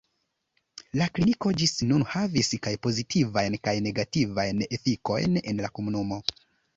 La kliniko ĝis nun havis kaj pozitivajn kaj negativajn efikojn en la komunumo.